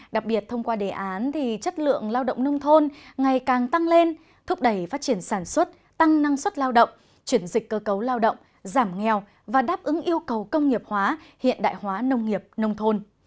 đặc biệt thông qua đề án chất lượng lao động nông thôn ngày càng tăng lên thúc đẩy phát triển sản xuất tăng năng suất lao động chuyển dịch cơ cấu lao động giảm nghèo và đáp ứng yêu cầu công nghiệp hóa hiện đại hóa nông nghiệp nông thôn